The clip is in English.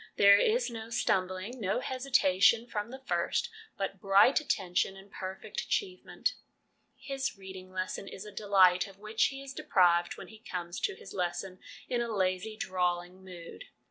There is no stumbling, no hesitation from the first, but bright attention and perfect achievement. His reading lesson is a delight, of which he is deprived when he comes to his lesson 222 HOME EDUCATION in a lazy, drawling mood.